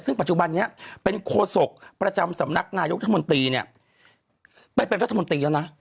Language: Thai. ซึ่งปัจจุบันนี้เป็นโคศกประจำสำนักนายกรัฐมนตรีเนี่ยไปเป็นรัฐมนตรีแล้วนะ